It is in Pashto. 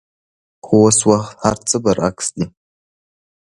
خو اوس وخت هرڅه برعکس دي.